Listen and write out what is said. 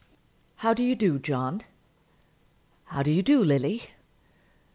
"How do you do, John?" "How do you do, Lily?"